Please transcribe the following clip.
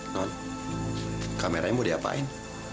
non kameranya mau diapain